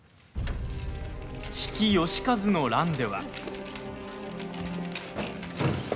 比企能員の乱では。